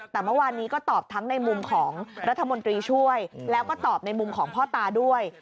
แต่เมื่อวานนี้ก็ตอบทั้งในมุมของรัฐมนตรีช่วยแล้วก็ตอบในมุมของพ่อตาด้วย